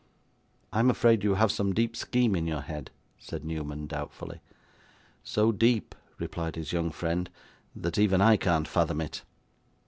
'I am afraid you have some deep scheme in your head,' said Newman, doubtfully. 'So deep,' replied his young friend, 'that even I can't fathom it.